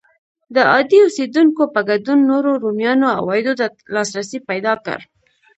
د عادي اوسېدونکو په ګډون نورو رومیانو عوایدو ته لاسرسی پیدا کړ.